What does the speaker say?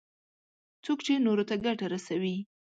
څوک چې نورو ته ګټه رسوي.